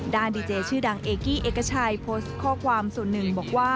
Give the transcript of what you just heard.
ดีเจชื่อดังเอกกี้เอกชัยโพสต์ข้อความส่วนหนึ่งบอกว่า